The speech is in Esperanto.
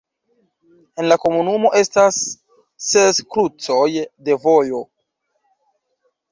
En la komunumo estas ses krucoj de vojo.